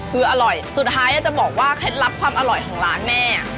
คืออร่อยสุดท้ายจะบอกว่าเคล็ดลับความอร่อยของร้านแม่